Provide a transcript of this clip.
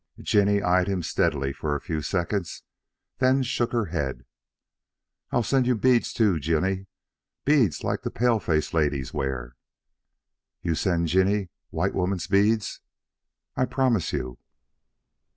Jinny eyed him steadily for a few seconds, then shook her head. "I'll send you beads, too, Jinny beads like the paleface ladies wear." "You send Jinny white woman beads!" "I promise you."